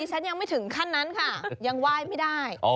ฉันยังไม่ถึงขั้นนั้นค่ะยังไหว้ไม่ได้